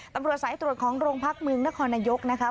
ตำรวจสายตรวจของโรงพักเมืองนครนายกนะคะ